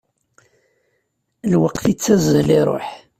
Lweqt ittazzal iruḥ.